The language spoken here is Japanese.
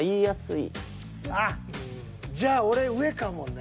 あっじゃあ俺上かもね。